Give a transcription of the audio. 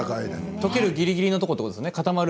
溶けるぎりぎりのところ固まる